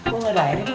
kok gak ada aneh